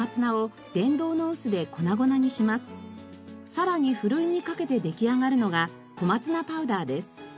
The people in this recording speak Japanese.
さらにふるいにかけて出来上がるのが小松菜パウダーです。